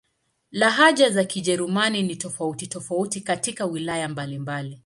Lahaja za Kijerumani ni tofauti-tofauti katika wilaya mbalimbali.